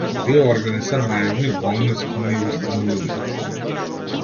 Тие органи се наивни, болно искрени и вистинољубиви.